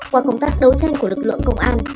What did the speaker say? qua công tác đấu tranh của lực lượng công an